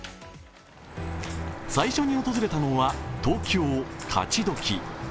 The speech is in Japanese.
最初に訪れたのは東京・勝どき。